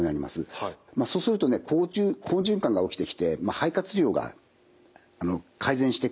そうするとね好循環が起きてきて肺活量が改善してくると。